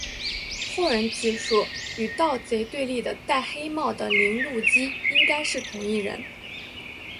后人记述与盗贼对立的戴黑帽的铃鹿姬应该是同一人。